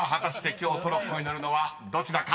今日トロッコに乗るのはどちらか？］